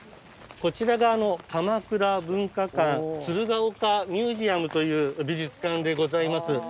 こちらがあの鎌倉文華館鶴岡ミュージアムという美術館でございます。